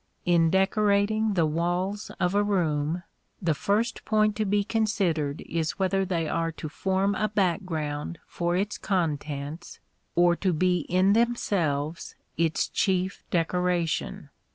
In decorating the walls of a room, the first point to be considered is whether they are to form a background for its contents, or to be in themselves its chief decoration.